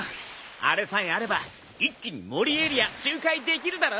あれさえあれば一気に森エリア周回できるだろ？